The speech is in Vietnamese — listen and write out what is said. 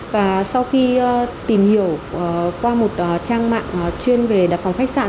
và sau khi tìm hiểu qua một trang mạng chuyên về đặt phòng khách sạn